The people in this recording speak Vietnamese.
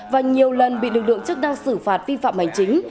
và nhiều lần bị lực lượng chức năng xử phạt vi phạm hành chính